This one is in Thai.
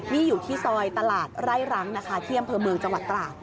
นี่อยู่ที่ซอยตลาดไร่รังนะคะที่อำเภอเมืองจังหวัดตราด